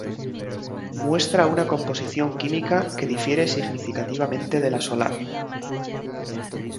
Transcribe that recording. Muestra una composición química que difiere significativamente de la solar.